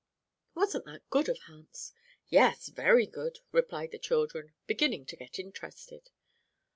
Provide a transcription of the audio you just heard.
Wasn't that good of Hans?" "Yes, very good," replied the children, beginning to get interested.